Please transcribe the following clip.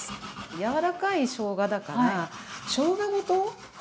柔らかいしょうがだからしょうがごと溶かし込んで。